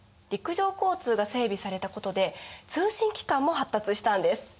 陸上交通が整備されたことで通信機関も発達したんです。